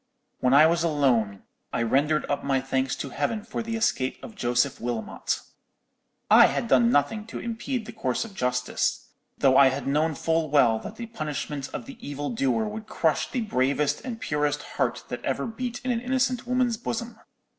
"When I was alone, I rendered up my thanks to Heaven for the escape of Joseph Wilmot. I had done nothing to impede the course of justice, though I had known full well that the punishment of the evil doer would crush the bravest and purest heart that ever beat in an innocent woman's bosom.